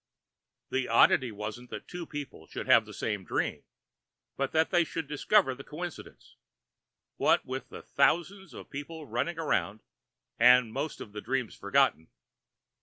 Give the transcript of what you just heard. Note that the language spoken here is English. The oddity wasn't that two people should have the same dream, but that they should discover the coincidence, what with the thousands of people running around and most of the dreams forgotten.